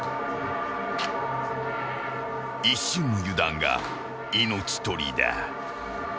［一瞬の油断が命取りだ］